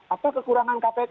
apa kekurangan kpk